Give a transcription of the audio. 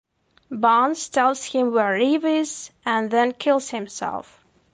Barnes tells him where Eve is and then kills himself.